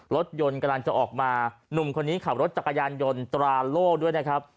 รถยนต์กำลังจะออกมาหนุ่มคนนี้ขับรถจักรยานยนต์ตราโล่ด้วยนะครับ